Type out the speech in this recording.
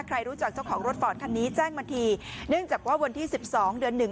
ใครรู้จักเจ้าของรถฟอร์ดคันนี้แจ้งมาทีเนื่องจากว่าวันที่สิบสองเดือนหนึ่ง